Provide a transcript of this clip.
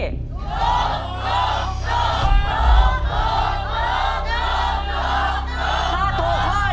ถูก